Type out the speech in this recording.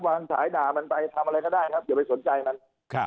สายด่ามันไปทำอะไรก็ได้ครับอย่าไปสนใจมัน